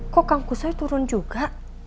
kok kang kusoi turun juga